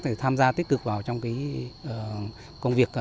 phải tham gia tích cực vào trong cái công việc